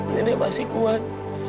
nenek pasti kuat